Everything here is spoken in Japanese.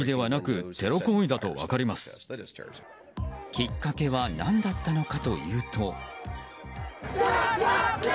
きっかけは何だったのかというと。